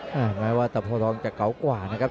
หมายความว่าตะเบาทองจะเกาะกว่านะครับ